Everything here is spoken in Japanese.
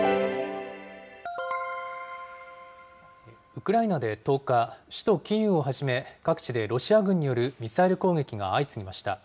ウクライナで１０日、首都キーウをはじめ、各地でロシア軍によるミサイル攻撃が相次ぎました。